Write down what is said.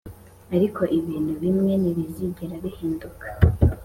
ariko ibintu bimwe ntibizigera bihinduka